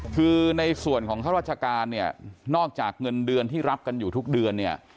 คือในส่วนของข้าราชการเนี่ยนอกจากเงินเดือนที่รับกันอยู่ทุกเดือนเนี่ย